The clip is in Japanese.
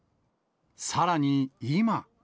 さらに今。